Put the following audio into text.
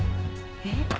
えっ？